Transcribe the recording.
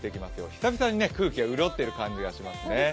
久々に空気が潤ってる感じがしますね。